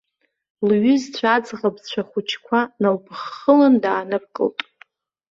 Лҩызцәа аӡӷабцәа хәыҷқәа налԥыххылан дааныркылт.